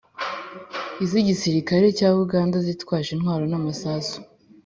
iz'igisirikari cya uganda, zitwaje intwaro n'amasasu